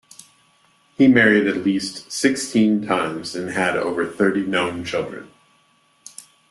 He married at least sixteen times and had over thirty known children.